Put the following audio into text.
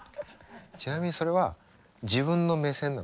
ちなみにそれは自分の目線なの？